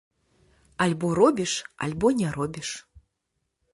Альбо робіш, альбо не робіш.